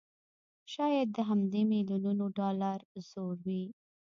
شايد د همدې مليونونو ډالرو زور وي